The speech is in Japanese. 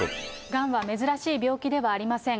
がんは珍しい病気ではありません。